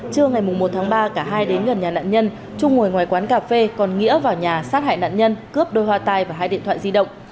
trưa ngày một tháng ba cả hai đến gần nhà nạn nhân trung ngồi ngoài quán cà phê còn nghĩa vào nhà sát hại nạn nhân cướp đôi hoa tai và hai điện thoại di động